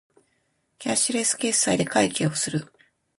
キャッシュレス決済で会計をする